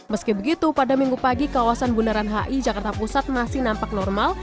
meski begitu pada minggu pagi kawasan bundaran hi jakarta pusat masih nampak normal